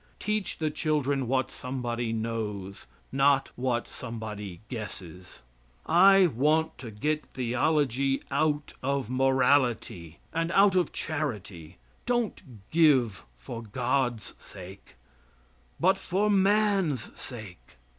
Teach the children what somebody knows, not what somebody guesses. I want to get theology out of morality, and out of charity. Don't give for God's sake, but for man's sake.